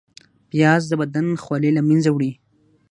پیاز د بدن خولې له منځه وړي